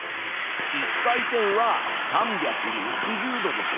１回てんは３６０度でしょ。